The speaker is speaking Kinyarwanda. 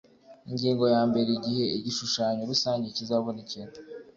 ingingo ya mbere igihe igishushanyo rusange kizabonekera